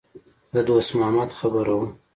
د دوست محمد خبره وه.